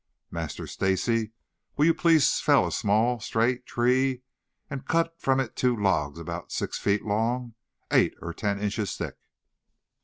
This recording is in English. Master Stacy, will you please fell a small, straight tree and cut from it two logs about six feet long, eight or ten inches thick?"